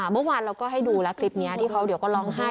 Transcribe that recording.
เมื่อวานเราก็ให้ดูแล้วคลิปนี้ที่เขาเดี๋ยวก็ร้องไห้